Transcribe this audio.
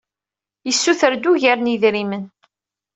Yessuter-d ugar n yedrimen.